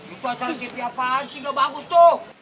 itu acara ke piapaan sih ga bagus tuh